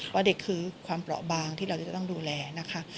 ว่าเด็กคือความเปราะบางที่เราจะต้องดูแลนะคะ